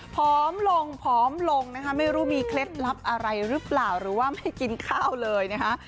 พร้อมลงผอมลงนะคะไม่รู้มีเคล็ดลับอะไรหรือเปล่าหรือว่าไม่กินข้าวเลยนะคะ